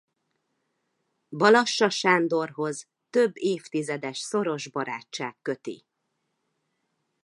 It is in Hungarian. Balassa Sándorhoz több évtizedes szoros barátság köti.